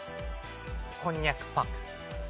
こんにゃくパーク。